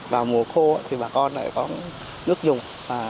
vào mùa khô thì bà con lại có nước dùng